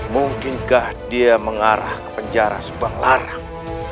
mungkinkah dia mengarah ke penjara subang larang